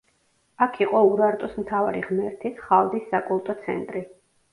აქ იყო ურარტუს მთავარი ღმერთის ხალდის საკულტო ცენტრი.